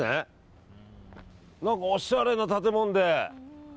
何かおしゃれな建物で。